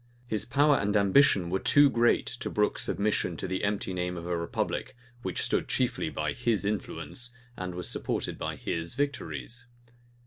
His power and ambition were too great to brook submission to the empty name of a republic, which stood chiefly by his influence, and was supported by his victories.